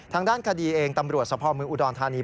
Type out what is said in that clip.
ทางด้านคดีเองตำรวจสภเมืองอุดรธานี